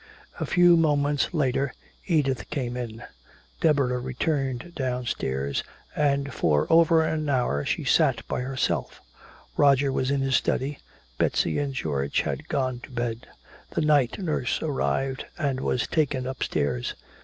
A few moments later Edith came in. Deborah returned downstairs, and for over an hour she sat by herself. Roger was in his study, Betsy and George had gone to bed. The night nurse arrived and was taken upstairs.